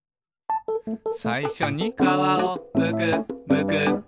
「さいしょに」「皮をむくむく」